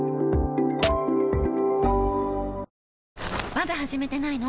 まだ始めてないの？